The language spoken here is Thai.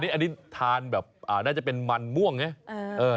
อันนี้ทานแบบน่าจะเป็นมันม่วงไง